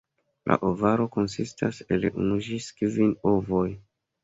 La ovaro konsistas el unu ĝis kvin ovoj.